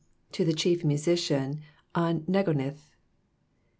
— To the Chief Musician on Neginoth.